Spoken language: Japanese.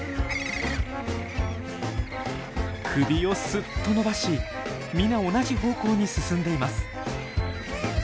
首をスッと伸ばし皆同じ方向に進んでいます。